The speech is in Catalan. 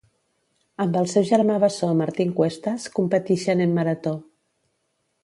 Amb el seu germà bessó Martín Cuestas competixen en marató.